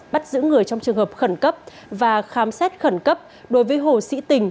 bắt giữ người trong trường hợp khẩn cấp và khám xét khẩn cấp đối với hồ sĩ tình